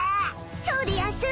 そうでやんす！